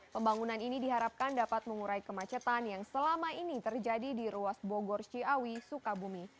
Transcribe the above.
pembangunan ini diharapkan dapat mengurai kemacetan yang selama ini terjadi di ruas bogor ciawi sukabumi